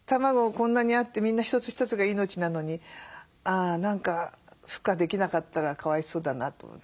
こんなにあってみんな一つ一つが命なのに何かふ化できなかったらかわいそうだなと思って。